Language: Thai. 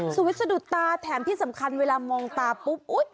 สวยสะดุดตาแถมที่สำคัญเวลามองตาปุ๊บ